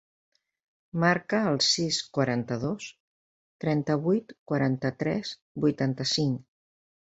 Marca el sis, quaranta-dos, trenta-vuit, quaranta-tres, vuitanta-cinc.